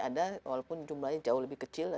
ada walaupun jumlahnya jauh lebih kecil